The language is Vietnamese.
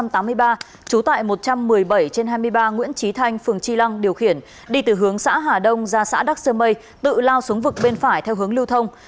trú tại một trăm một mươi bảy trên hai mươi ba nguyễn trí thanh phường tri lăng điều khiển đi từ hướng xã hà đông ra xã đắc sơ mây tự lao xuống vực bên phải theo hướng lưu thông